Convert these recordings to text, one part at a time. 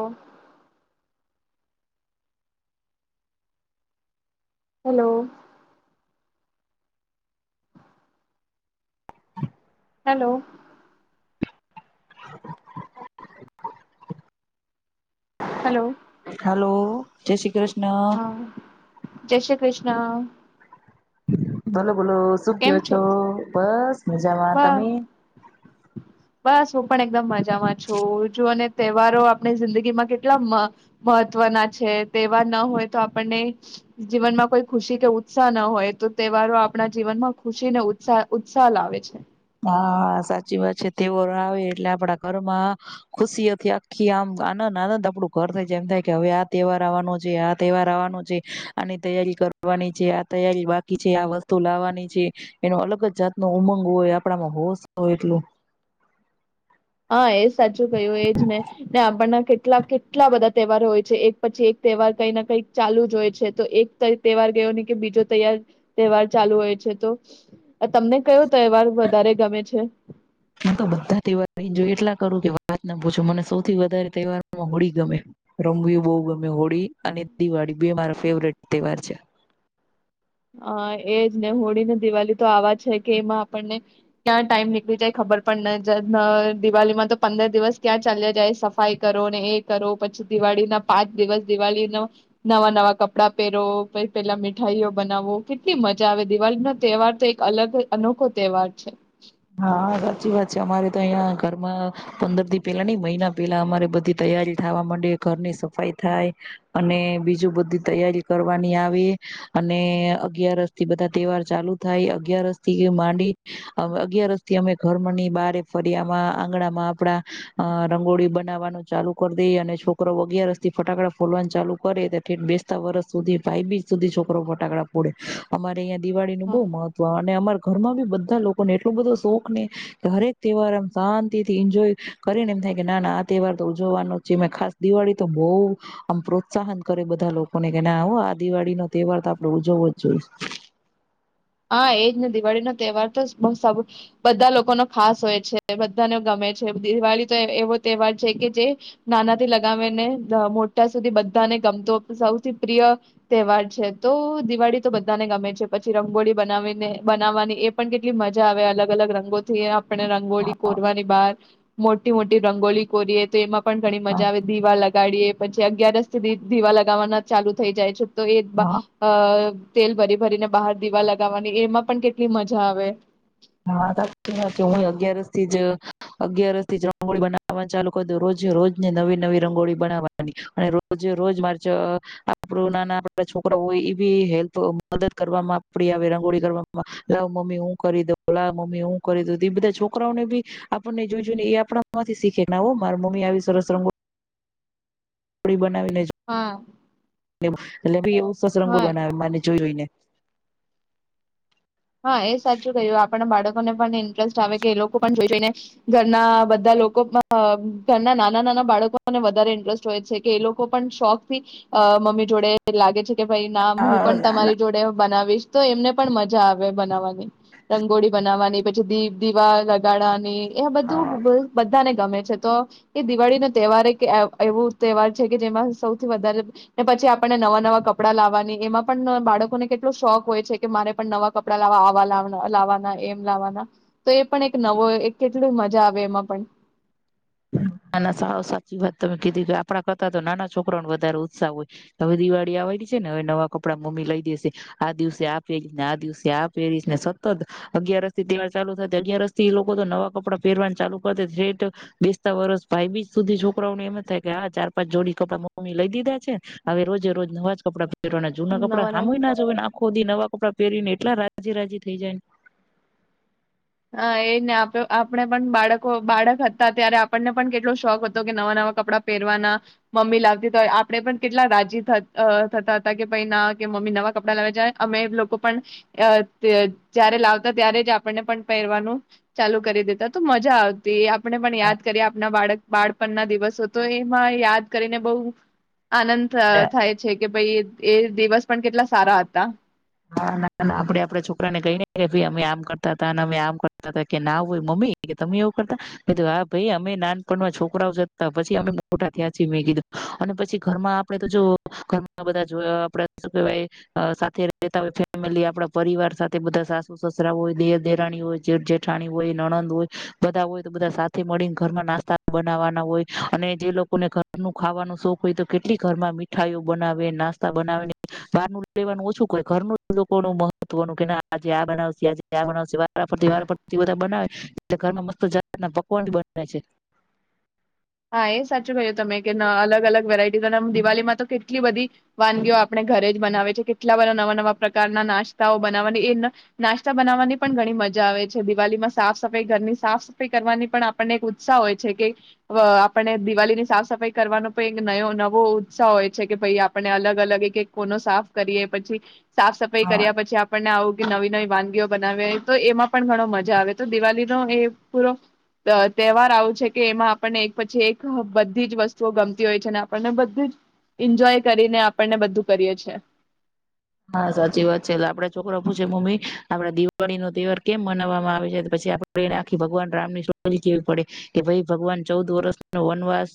ઓ. Hello hello [inaudible] hello hello જય શ્રી કૃષ્ણ. હા જય શ્રી કૃષ્ણ. હલો. બોલો શું કયો છો? બસ. બ મજામાં. તમે? બસ હું પણ એકદમ મજામાં છું. જુઓને તહેવારો આપણે જિંદગી માં કેટલા મ મહત્વના છે. તહેવાર ના હોય તો આપણને જીવનમાં કોઈ ખુશી કે ઉત્સાહ ના હોય. તો તહેવારો આપણા જીવનમાં ખુશી ને ઉત્સા ઉત્સાહ લાવે છે. હા સાચી વાત છે. તહેવારો આવે એટલે આપડા ઘરમાં ખુશીઓથી આખી આમ આનંદ-આનંદ આપડું ઘર થઇ જાય. એમ થાય કે હવે આ તહેવાર આવવાનો છે. આ તહેવાર આવવાનો છે, આની તૈયારી કરવાની છે. આ તૈયારી બાકી છે આ વસ્તુ લાવવાની છે. એનો અલગ જ જાત નો ઉમંગ હોય આપ આપડામાં હોશ હોય એટલું. હા એજ સાચું ક્યું એજ ને, ને આપણના કેટલા કેટલા કેટલા બધા તહેવારો હોય છે એક પછી એક તહેવાર કઈ ના કઈક ચાલુ જ હોય છે તો એક તહેવાર ગયો નહી કે બીજો તૈયાર તહેવાર ચાલુ હોય છે તો, તમને કયો તહેવાર વધારે ગમે છે? હું તો બધા તહેવાર એન્જોય એટલા કરું કે વાત ના પૂછો. મને સૌથી વધારે તહેવારમાં હોળી ગમે. રંગ બહુ ગમે. હોળી અને દિવાળી બે મારા ફેવરેટ તહેવાર છે. હ એજ ને હોળી ને દિવાળી તો આવા છે કે એમાં આપણને, ક્યાં ટાઈમ નીકળી જાય ખબર પણ ન જ દિવાળીમાં તો પંદર દિવસ ક્યાં ચાલ્યા જાય સફાઈ કરો ને એ કરો પછી દિવાળી ના પાંચ દિવસ દિવાળીના, નવા-નવા કપડાં પહેરો પછી પેલા મીઠાઈઓ બનાવવો કેટલી મજા આવે દિવાળી નો તહેવાર તો એક અલગ અનોખો તહેવાર છે. હા સાચી વાત છે. અમારે તો અહિયાં ઘરમાં, પંદર દી પેલા નઈ મહિના પેલા અમારે બધી તૈયારી થવા માંડે ઘરની સફાઈ થાય. અને બીજું બધી તૈયારી કરવાની આવે. અને અગિયારસ થી બધા તહેવાર ચાલુ થાય અગિયારસ થી માંડી અગિયારસથી અમે ઘર ની બારે ફરિયામાં આંગણામાં આપડા, અ રંગોળી બનાવવાનું ચાલુ કરી દઈએ અને છોકરોઓ અગિયારસ થી ફટાકડા ફોડવાનું ચાલુ કરે ઠેઠ બેસતા વરષ સુધી ભાઈ બીજ સુધી છોકરો ફટાકડા ફોડે, અમારે અયા દિવાળી નું બહુ હા. મહત્વ અને અમાર ઘરમાં બી બધા લોકોને એ એટલુ બધો શોખ ને, હરેક તહેવાર એમ શાંતિ થી એન્જોય કરીને એમ થાય કે ના ના આ તહેવાર તો ઉજવવાનો જ છે ખાસ દિવાળી તો બહું, આમ પ્રોત્સાહન કરે બધા લોકોને કે નાહો આ દિવાળીનો તહેવાર તો આપડ ઉજવવો જ જોઈ. હા એજ ને દિવાળીનો તહેવાર તો સૌ બધા લોકોનો ખાસ હોય છે બધાને ગમે છે દિવાળી તો એવો તહેવાર છે કે જે, નાના થી લગાવીને અ મોટા સુધી બધાને ગમતો સૌથી પ્રિય તહેવાર છે. તો દિવાળી તો બધાને ગમે છે પછી રંગોળી બનાવીને બનાવવાની એ પણ કેટલી મજા આવે અલગ-અલગ રંગોથી આપણે રંગોળી કોરવાની બહાર. મોટી-મોટી રંગોળી કોરીયે તો એમા પણ ઘણી મજા આવે દીવા લગાડીએ પછી અગિયારસથી દી દીવા લગાવવાના ચાલુ થઈ જાય છે. તો એક બા હા અ તેલ ભરી ભરીને બહાર દીવા લગા ગાવાની એમાં પણ કેટલી મજા આવે. હા સાચી વાત છે. હું એ અગિયારસ થી જ અગિયારસ થી રંગોળી બનાવવા ચાલુ કરી દેવ રોજે રોજને નવી-નવી રંગોળી બનાવવાની અને રોજે રોજ મારે ચ આપડું નાના આપડા છોકરા હોય એ બી હેલ્પ મદદ કરવાવામાં આપળી આવે રંગોળી કરવામાં, લવ મમ્મી હું કરી દઉ બોલા મમ્મી હું કરી દવ તે બધા છોકરાઓને બી આપણને જોઈ જોઈ ને એ આપણામાંથી શીખે ના હો મારા મમ્મી આવી સરસ રંગોળી ગોળી બનાવીને. હા. [unintelligible] એટલે ભી એવું. સરસ રંગો હા બનાવે મને જોય જોઈ ને. હા એ સાચું કયું આપણા બાળકો બાળકોને પણ ઇન્ટરેસ્ટ આવે કે એ લોકો પણ જોઈ જોઈને ઘરના બધા લોકો પણ અ ઘરના નાના-નાના બાળકોને વધારે ઇન્ટરેસ્ટ હોય છે કે એ લોકો પણ શોખ થી અ મમ્મી જોડે લાગે છે. કે ભાઈ નામ હું આ પણ તમારી જોડે બનાવીશ. તો એમને પણ મત મજા આવે બનાવવાની રંગોળી બ બનાવાની પછી દી દીવા લગાડવાની. એ બધું બધાને ગમે. છે તો એ દિવાળી નો તહેવાર એક એવું તહેવાર છે કે જેમાં સૌથી વધારેને પછી આપણને નવા નવા કપડા લાવવાની એમાં પણ બાળકોને કેટલો શોખ હોય છે કે મારે. પણ નવા કપડા લાવવાવા લાવવાના એમ લાવવાના તો એ પણ એક નવો કેટલ મજા આવે એમાં પણ. ના ના સા સાચી વાત તમે કીધી કે આપડા કરતાં તો નાના છોકરાને વધારે ઉત્સાહ હોય, હવે દિવાળી આવેલી છે ને હવે નવા કપડાં મમ્મી લઈ દેશે આ દિવસે આ પહેરીશ ને આ દિવસે આ પહેરીશ ને સતત અગિયાર રસથી તહેવાર ચાલુ થ અગયાર રસથી લોકો તો નવા કપડાં પહેરવાનું ચાલુ કરતા. વર્ષ ભાઈ બીસ સુધી છોકરાઓનેમ થાય કે આ ચાર પાંચ જોડી કપડા મમ્મી લઈ દીધા છે હવે રોજે રોજ નવાજ કપડા. પનાને જૂના કપડા નવા નવ હામુય ના જોય નાખો. ખોદી નવા કપડાં પહેરીને એટલા રાજી રાજી થઈ જાય. હા એને આપણે પણ બાળકો બાળક હતા ત્યારે આપણને પણ કેટલો શોખ હતો, કે નવા નવા કપડાં પહેરવાના મમ્મી લાવતી તો હોય આપણે પણ કેટલા રાજી થતા હતા કે ભાઈ ના કે મમ્મી નવા કપડા લાવે જ અમે લોકો પણ જય્યારે લાવતા ત્યારે જ આપણને પણ. પહેરવાનું ચાલુ કરી દેતા તો મજા આવતી. આપણે પણ યાદ કરીએ આપના બાળક બાળપણ ના દિવસો તો એમાં યાદ કરીને બઉ. આનંદ ને થાય છે કે ભઈ. એ દિવસ પણ કેટલા સારા હતા. હા ના ના આપડે આપડા છોકરાને કઈને કે ભય અમે આમ કરતા હતા અમે આમ કરતા હતા કે ના હોય મમ્મી કે તમે એવું કરતા મેં કીધું હા ભાઈ અમે નાનપણમાં છોકરાઓ જ હતા પછી અમે મોટા થયા છી મેં કીધું અને પછી ઘરમાં આપડે તો જો ઘર બધા જો આપડે શું કેવાય સાથે રય રહેતા હોય ફેમિલી આપડા પરિવાર સાથે બધા સાસુ સસરા હોય દેર દેરાણી હોય જેઠ જેઠાણી હોય નણંદ હોય બધા હોય તો બધા સાથે મળીને ઘરમાં નાસ્તા બનાવાના હોય અને જે લોકોને ઘરનું ખાવાનું શોખ હોય તો કેટલી ઘરમાં મીઠાઈઓ બનાવે નાસ્તા બનાવે બહાર નું લેવાનું ઓછું. કોઈ ઘરનું જ લોકો નું મહત્વનું કે ના આજે આ બનાવશે આજે આ બનાવશે વારા ફરતી વારા ફરતી બધા બનાવે એટલે ઘરમાં મસ્ત જાત ના પકવાન બનાવે છે. હા એ સાચું ક્યું તમે કે અલગ અલગ વેરાયટી દિવાળીમાં તો કેટલી બધી વાનગીઓ આપણે ઘરે જ બનાવે છે કેટલા બધા નવા નવા પ્રકારના નાસ્તાઓ બનાવવાની એ નાસ્તા બનાવવાની પણ ઘણી મજા આવે છે દિવાળમાં સાફ સફાઈ ઘરની સાફ સફાઈ કરવાની પણ આપણને એક ઉત્સાહ હોય છે કે વ આપણે દિવાળી ની સાફ સફાઈ કરવાનો પણ એક નયો નવો ઉત્સાહ હોય છે કે ભાઈ આપણે અલગ અલગ એક કોનો સાફ કરીએ પછી સાફ સફાઈ કર્યા પછી આપણને આવું. કે નવી નવી વાનગીઓ બનાવે તો એમાં પણ ઘણો મજા આવે તો દિવાળીનો એ પૂરો તહેવાર આવો છે કે એમાં. આપણને એક પછી એક બધી જ વસ્તુઓ ગમતી હોય છે અને આપણને બધું જ ઈન્જોય કરીને આપણને બધું કરીએ છે હા સાચી વાત છે એટલે આપડા છોકરા પૂછે મમ્મી આપડા દિવાળી નો તહેવાર કેમ મનાવવામાં આવે છે પછી આપને એને આખી ભગવાન રામ ની સ્ટોરી કેવી પડે કે ભાઈ ભગવાન ચૌદ વર્ષ નો વનવાસ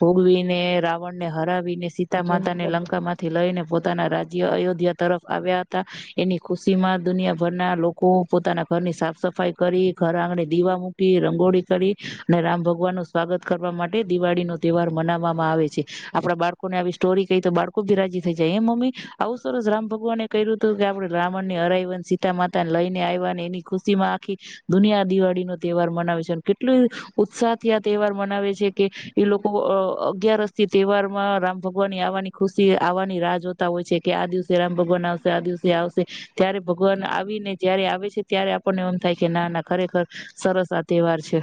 ભોગવીને રાવણ ને હરાવી. આવીને સીતા માતાને લંકા માંથી લઈને પોતે. ના રાજ્ય અયોધ્યા. તરફ આવ્યા હતા એની ખુશી માં દુનિયાભરના લોકો પોતાના ઘરની સાફ સફાઈ કરી ઘર આંગણે દીવા મૂકી રંગોળી કરી અને રામ ભગવાન નું સ્વાગત કરવા માટે દિવાળી નો તહેવાર મનાવવામાં આવે છે આપડા બાળકોને આવી સ્ટોરી કહી તો બાળકો ભી રાજી થઈ જાય હે મમ્મી આવું સરસ રામ ભગવાને કર્યું હતું કે આપડે રાવણ ને હરાઈવાને સીતા માતા ને લઈને આવવા અને એની ખુશી માં આખી દુનિયા દિવાળી નો તહેવાર મનાવે છે કેટલુ ઉત્સાહ થી આ તહેવાર મનાવે છે કે એ લોકો અગિયારસ થી તહેવાર માં રામ ભગવાનની આવવાની ખુશી આવવાની રાહ જોતા હોય છે. કે આ દિવસે રામ ભગવાન આવશે આ દિવસે આવશે ત્યારે ભગવાન આવીને જયારે આવે છે ત્યારે આપણને એમ થાય કે ના ના ખરેખર સરસ આ તહેવાર છે.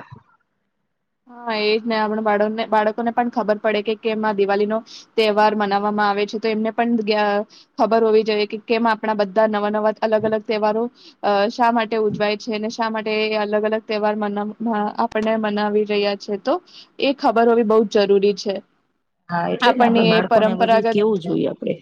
હા એ જ ને આપણા બાળકને બાળકોને પણ ખબર પડે કે કેમ આ દિવાળીનો તહેવાર મનાવવામાં આવે છે તો એમને પણ ખબર હોવી જોઈએ કે કેમ આપણા બધા નવા નવા અલગ અલગ તહેવારો શા માટે ઉજવાય છે ને શા માટે અલગ અલગ તહેવાર માનાવા હં આપણને મનાવી. રહિયા છે તો એ ખબર હોવી બઉ જ જરૂરી છે. હા એટલે ને આપણને આપડે એ બાળકોને બધી પરંપરાગત કેવું જોઈએ આપડે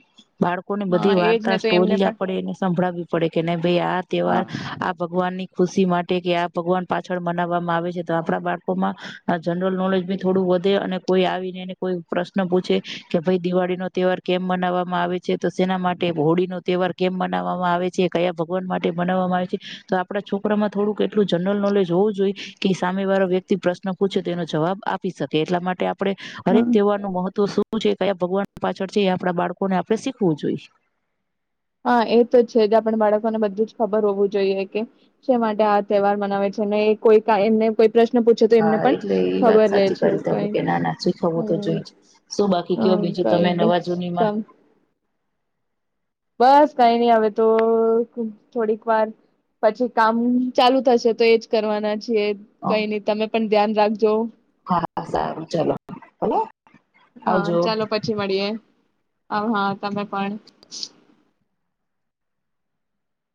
બાળકોની બધી હા એજ વાર્તા ને તો સ્ટોરી એમને પણ આપડે એને સંભળાવવી પડે કે ન ભાઈ આ તહેવાર હા આ ભગવાનની. ખુશી માટે કે આ ભગવાન પાછળ મનાવવામાં આવે છે તો આપણા બાળકોમાં આ જનરલ નોલેજ બી થોડું વધે અને કોઈ આવીને એને કોઈ પ્રશ્ન પૂછે કે ભઈ દિવાળી નો તહેવાર કેમ મનાવવામાં આવે છે તો સેના માટે હોળી નો તહેવાર કેમ મનાવવામાં આવે છે કયા ભગવાન માટે મનાવવામાં આવે છે તો આપડા છોકરામાં થોડુંક એટલું જનરલ નોલેજ હોવું જોઈએ કે સામે વાળો વ્યક્તિ પ્રશ્ન પૂછે તો એનો જવાબ આપી શકે એટલા માટે. આપણેે હરેક. હમ તેવાનું મહત્વ શુ શું છે, કયા ભગવાન પાછળ છે એ આપણા બાળકોને આપણે શીખવું જોઈ. હા એ તો છે જ આપણે બાળકોને બધું જ ખબર હોવું જોઈએ કે શા માટે આ તહેવાર મનાવે છે કોઈ એમને કોઈ પ્રશ્ન પૂછે તો એમને હા પણ એટલે એ વાત ખબર રહે સાચી છે કરી કઈ તમે કે નાના શીખવવું તો હમ જોઈ જ શું બાકી કયો હમ બીજું કઈ તમે નવા જૂનીમાં? નહી બસ કઈ નઈ હ તો થોડીક વાર પછી કામ ચાલુ થશે તો એજ કરવાના જ કઈ નહી તમે પણ ધ્યાન રાખજો. હા સારું ચાલો ભલે હા આવજો. ચાલો પછી મળીએે. હ હા તમે પણ